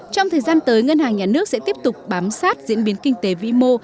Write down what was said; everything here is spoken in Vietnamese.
trong thời gian tới ngân hàng nhà nước sẽ tiếp tục bám sát diễn biến kinh tế vĩ mô